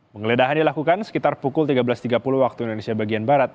penggeledahan dilakukan sekitar pukul tiga belas tiga puluh waktu indonesia bagian barat